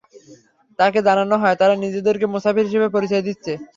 তাকে জানানো হয়, তারা নিজেদেরকে মুসাফির হিসেবে পরিচয় দিচ্ছে।